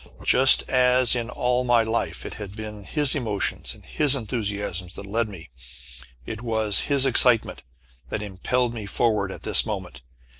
Just as in all my life it had been his emotions and his enthusiasms that led me, it was his excitement that impelled me forward at this moment.